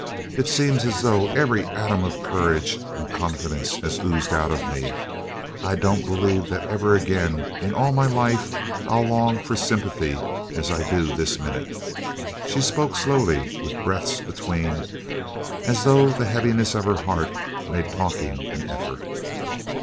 It seems as though every atom of courage and confidence had oozed out of me. I don't believe that ever again in all my life I'll long for sympathy as I do this minute." She spoke slowly with breaths between, as though the heaviness of her heart made talking an effort.